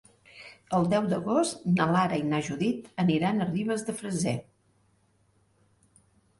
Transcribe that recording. El deu d'agost na Lara i na Judit aniran a Ribes de Freser.